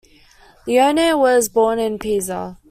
Lione was born in Pisa.